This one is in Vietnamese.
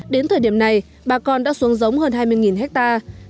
đến thời điểm này bà con đã xuống giống hơn hai mươi hectare